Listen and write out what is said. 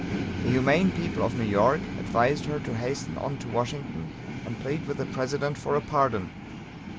The humane people of New York advised her to hasten on to Washington, and plead with the President for a pardon.